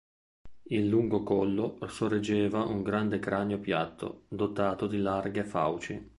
Il lungo collo sorreggeva un grande cranio piatto, dotato di larghe fauci.